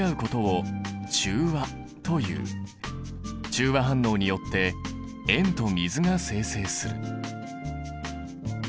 中和反応によって塩と水が生成する。